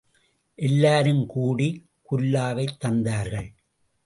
எல்லாரும் கூடிக் குல்லாவைத் தந்தார்கள்.